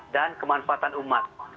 dan kemanfaatan umat